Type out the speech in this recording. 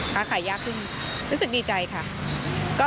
ค้าขายยากขึ้นรู้สึกดีใจค่ะ